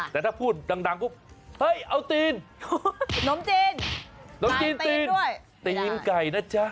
แต่ถ้าพูดดังก็เฮ้ยเอาตีนนมจีนตีนตีนไก่นะจ๊ะ